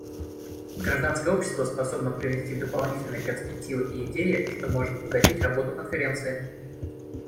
Гражданское общество способно привнести дополнительные перспективы и идеи, что может обогатить работу Конференции.